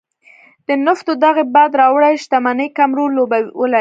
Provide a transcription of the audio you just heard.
د نفتو دغې باد راوړې شتمنۍ کم رول لوبولی.